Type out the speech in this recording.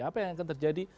apa yang akan terjadi